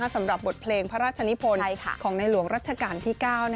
สำหรับบทเพลงพระราชนิพลของในหลวงรัชกาลที่๙